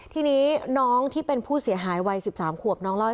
ทีนี้น้องที่เป็นผู้เสียหายวัยสิบสามขวบ